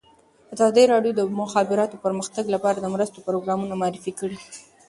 ازادي راډیو د د مخابراتو پرمختګ لپاره د مرستو پروګرامونه معرفي کړي.